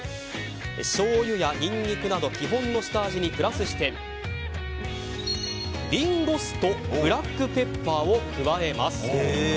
しょうゆやニンニクなど基本の下味にプラスしてリンゴ酢とブラックペッパーを加えます。